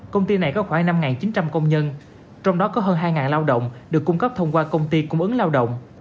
công ty này có khoảng năm chín trăm linh công nhân trong đó có hơn hai lao động được cung cấp thông qua công ty cung ứng lao động